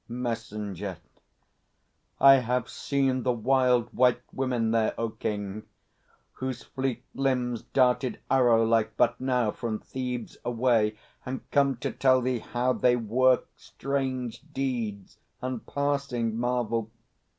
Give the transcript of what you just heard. MESSENGER. I have seen the Wild White Women there, O King, Whose fleet limbs darted arrow like but now From Thebes away, and come to tell thee how They work strange deeds and passing marvel.